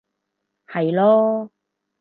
係囉